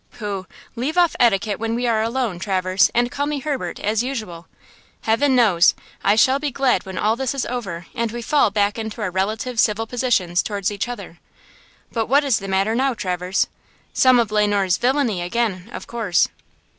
"Pooh!–leave off etiquette when we are alone, Traverse, and call me Herbert, as usual. Heaven knows, I shall be glad when all this is over and we fall back into our relative civil positions towards each other. But what is the matter now, Traverse? Some of Le Noir's villainy again, of course."